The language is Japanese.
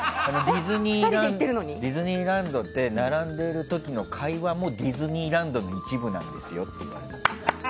ディズニーランドって並んでいる時の会話もディズニーランドの一部なんですよって言われた。